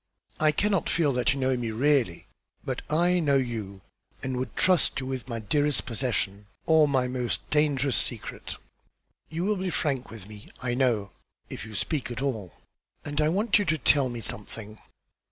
I cannot feel that you know me really; but I know you, and would trust you with my dearest possession, or my most dangerous secret. You will be frank with me, I know, if you speak at all; and I want you to tell me something."